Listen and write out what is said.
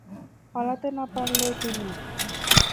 পালাতে না পারলে তুমিও।